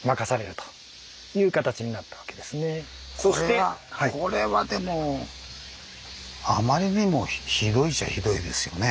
これはこれはでもあまりにもひどいっちゃひどいですよね。